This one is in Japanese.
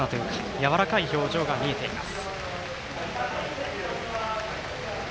やわらかい表情が見えています。